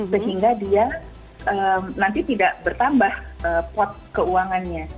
sehingga dia nanti tidak bertambah pot keuangannya